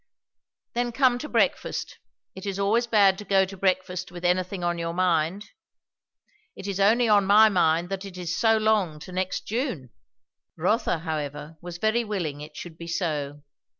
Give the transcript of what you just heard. "Then come to breakfast. It is always bad to go to breakfast with anything on your mind. It is only on my mind that it is so long to next June!" Rotha however was very willing it should be so.